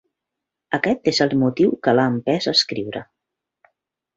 Aquest és el motiu que l'ha empès a escriure.